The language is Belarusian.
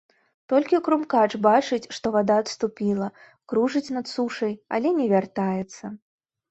Толькі крумкач бачыць, што вада адступіла, кружыць над сушай, але не вяртаецца.